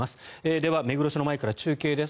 では、目黒署の前から中継です。